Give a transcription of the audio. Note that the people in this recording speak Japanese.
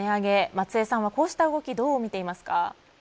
松江さんは、こうした動きどうみていますか。